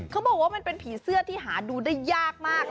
เขาบอกว่ามันเป็นผีเสื้อที่หาดูได้ยากมาก